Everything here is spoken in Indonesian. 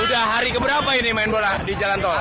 udah hari keberapa ini main bola di jalan tol